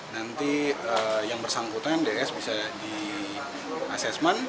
nanti yang bersangkutan ds bisa di assessment